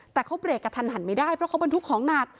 แต่เขาเบรกกระทันหันไม่ได้เพราะเขาบรรทุกของหนัก